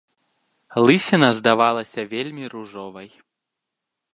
Лысіна здавалася вельмі ружовай.